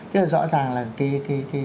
chứ là rõ ràng là cái